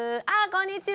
こんにちは。